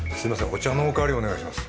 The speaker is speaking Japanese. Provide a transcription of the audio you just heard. お茶のおかわりお願いします。